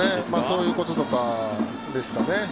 そういうこととかですね。